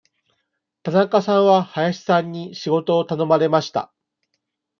田中さんは林さんに仕事を頼まれました。